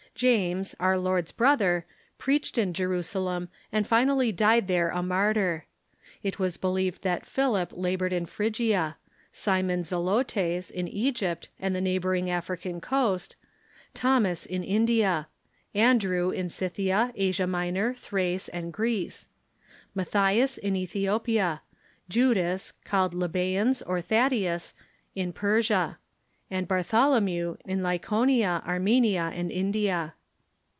James, our Lord's brother, preached in Jerusalem, and finally died there a martyr. It Avas believed that Philip labored in Phrygia ; Simon Zelotes, in Egypt and the neighboring African coast; Tliomas, in India; AndrcAv^ in Scythia, Asia Minor, Thrace, and Greece; Matthias, in Ethio pia; Judas, called Lebb?eus or Thaddeus, in Persia; and Bar tholomew, in Lycaonia, Armenia, and India.